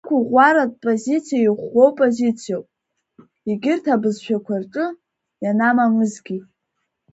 Ақәыӷәӷәаратә позициа иӷәӷәоу позициоуп, егьырҭ абызшәақәа рҿы, ианамамызгьы…